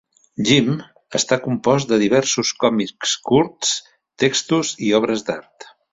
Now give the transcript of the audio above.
'Jim' està compost de diversos còmics curts, textos i obres d'art.